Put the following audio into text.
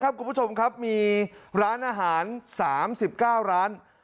ครับคุณผู้ชมมีร้านอาหาร๓๙ร้าน